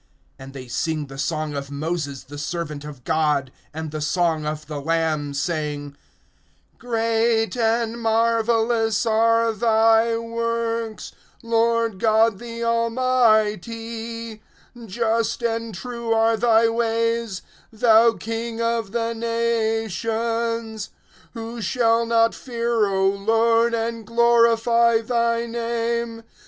(3)And they sing the song of Moses the servant of God, and the song of the Lamb, saying: Great and marvelous are thy works, Lord God the Almighty; just and true are thy ways, thou King of the nations. (4)Who shall not fear, O Lord, and glorify thy name?